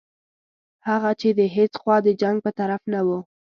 هغه چې د هیڅ خوا د جنګ په طرف نه وو.